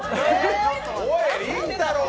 おい、りんたろー！